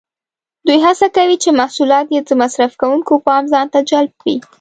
دوی هڅه کوي چې محصولات یې د مصرف کوونکو پام ځانته جلب کړي.